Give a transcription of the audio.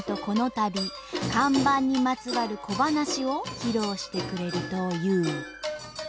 このたび看板にまつわる小ばなしを披露してくれるという。